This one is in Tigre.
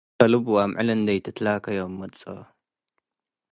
ከልብ ወአምዕል እንዴ ኢትትላከዎም መጽኦ።